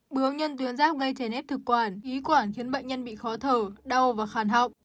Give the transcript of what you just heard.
bướu nhân tuyến giáp ngay chai nếp thực quản ý quản khiến bệnh nhân bị khó thở đau và khàn học